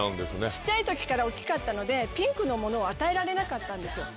小っちゃい時から大っきかったのでピンクのものを与えられなかったんですよ。